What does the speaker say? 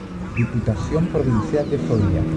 Diputación Provincial de Soria.